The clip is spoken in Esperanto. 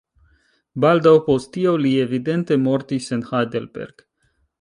Baldaŭ post tio li evidente mortis en Heidelberg.